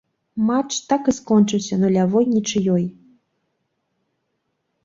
Матч так і скончыўся нулявой нічыёй.